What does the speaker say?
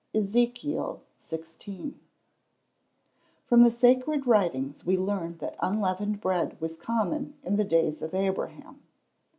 EZEKIEL XVI.] From the Sacred writings we learn that unleavened bread was common in the days of Abraham.